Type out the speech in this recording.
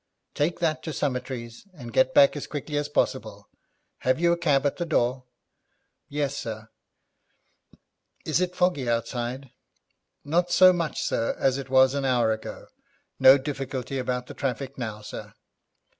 'Take that to Summertrees, and get back as quickly as possible. Have you a cab at the door?' 'Yes, sir.' 'Is it foggy outside?' 'Not so much, sir, as it was an hour ago. No difficulty about the traffic now, sir.'